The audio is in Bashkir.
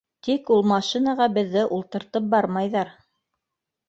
Тик ул машинаға беҙҙе ултыртып бармайҙар.